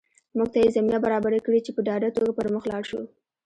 موږ ته یې زمینه برابره کړې چې په ډاډه توګه پر مخ لاړ شو